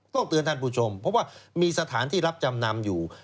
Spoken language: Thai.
ต้องเตือนท่านผู้ชมเพราะว่ามีสถานที่รับจำนำอยู่